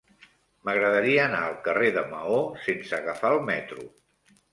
M'agradaria anar al carrer de Maó sense agafar el metro.